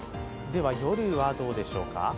夜はどうでしょうか？